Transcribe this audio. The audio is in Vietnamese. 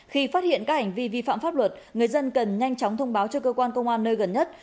khi phát hiện các hành vi vi phạm pháp luật người dân cần nhanh chóng thông báo cho cơ quan công an nơi gần nhất